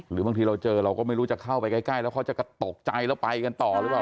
หรือบางทีเราเจอเราก็ไม่รู้จะเข้าไปใกล้แล้วเขาจะตกใจแล้วไปกันต่อหรือเปล่า